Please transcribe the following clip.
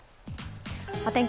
お天気